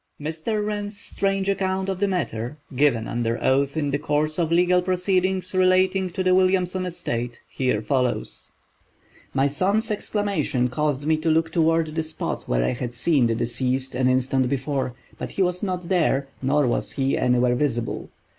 Mr. Wren's strange account of the matter, given under oath in the course of legal proceedings relating to the Williamson estate, here follows: "My son's exclamation caused me to look toward the spot where I had seen the deceased an instant before, but he was not there, nor was he anywhere visible.